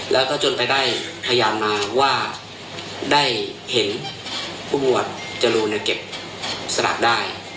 แล้วก็จนไปได้พยานมาว่าได้เห็นผู้หมวดจรูนเก็บสลากได้